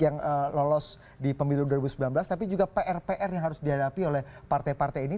yang lolos di pemilu dua ribu sembilan belas tapi juga pr pr yang harus dihadapi oleh partai partai ini